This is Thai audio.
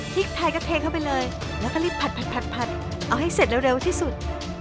พริกไทยก็เทเข้าไปเลยแล้วก็รีบผัดเอาให้เสร็จเร็วที่สุด